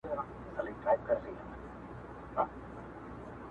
نه شرمېږې چې ګيډړو ته سلام کړې